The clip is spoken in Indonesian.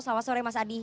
selamat sore mas adi